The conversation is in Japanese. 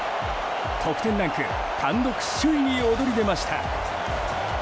得点ランク単独首位に躍り出ました。